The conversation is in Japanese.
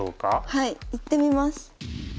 はいいってみます。